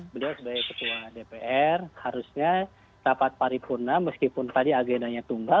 beliau sebagai ketua dpr harusnya rapat paripurna meskipun tadi agendanya tunggal